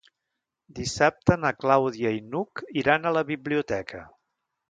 Dissabte na Clàudia i n'Hug iran a la biblioteca.